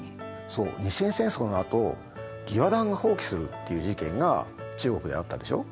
そう日清戦争のあと義和団が蜂起するっていう事件が中国であったでしょ？